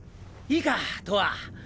いいかとわ！